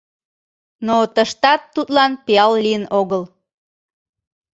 Но тыштат тудлан пиал лийын огыл.